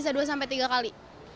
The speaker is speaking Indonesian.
sebulan bisa dua tiga kali